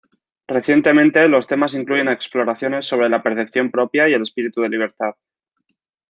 Recientemente, los temas incluyen exploraciones sobre la percepción propia y el espíritu de libertad.